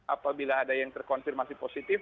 apabila ada yang terkonfirmasi positif